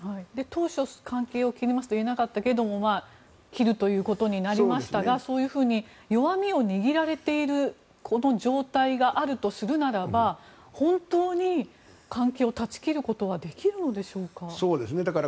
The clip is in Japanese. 当初、関係を切りますと言えなかったけれども切るということになりましたが弱みを握られている状態があるとするならば本当に関係を断ち切ることはできるのでしょうか。